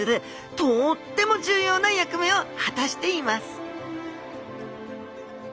とっても重要な役目を果たしています